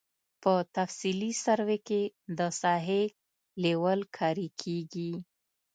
په تفصیلي سروې کې د ساحې لیول کاري کیږي